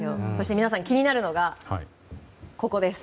皆さん気になるのが、ここです！